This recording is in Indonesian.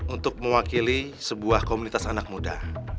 untuk mewakili sebuah komunitas anak muda